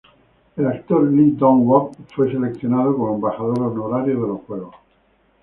El actor Lee Dong Wook fue seleccionado como embajador honorario de los juegos.